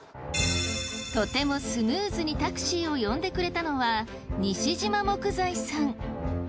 とてもスムーズにタクシーを呼んでくれたのは西島木材さん。